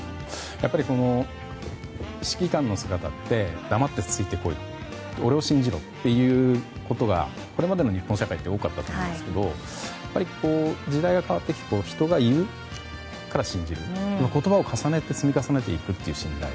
やっぱり、指揮官の姿って黙ってついて来い俺を信じろということがこれまでの日本社会って多かったと思うんですけど時代が変わってきて人が言うから信じる言葉を積み重ねていく信頼。